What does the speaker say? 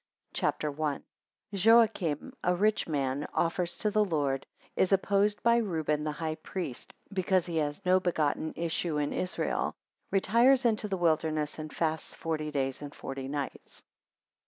CHAPTER I. 1 Joachim, a rich man, 2 offers to the Lord, 3 is opposed by Reuben the high priest, because he has not begotten issue in Israel, 6 retires into the wilderness and fasts forty days and forty nights.